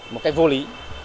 một cách vô lý